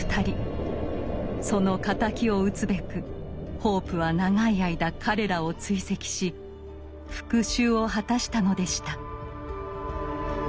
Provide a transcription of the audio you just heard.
その敵を討つべくホープは長い間彼らを追跡し復讐を果たしたのでした。